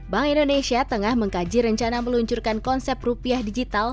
bank indonesia tengah mengkaji rencana meluncurkan konsep rupiah digital